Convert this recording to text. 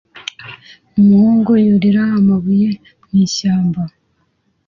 Umuhungu yurira amabuye mu ishyamba